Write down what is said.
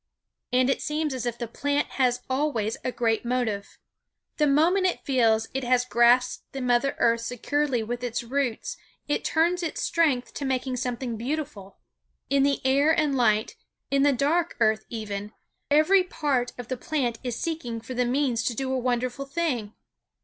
And it seems as if the plant has always a great motive. The moment it feels it has grasped the mother earth securely with its roots it turns its strength to making something beautiful. In the air and light, in the dark earth even, every part of the plant is seeking for the means to do a wonderful thing.